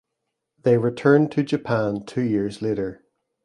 They returned to Japan two years later.